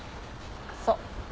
そう。